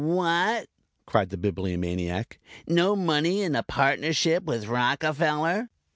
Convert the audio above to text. "What?" cried the Bibliomaniac. "No money in a partnership with Rockefeller?"